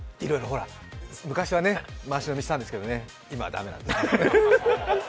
昔は回し飲みしたんですけどね、今はだめなんですよ。